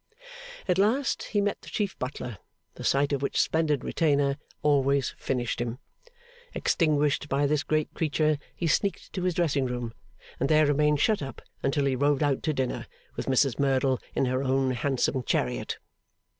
At last he met the chief butler, the sight of which splendid retainer always finished him. Extinguished by this great creature, he sneaked to his dressing room, and there remained shut up until he rode out to dinner, with Mrs Merdle, in her own handsome chariot.